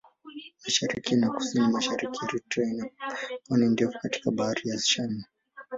Mashariki na Kusini-Mashariki Eritrea ina pwani ndefu katika Bahari ya Shamu.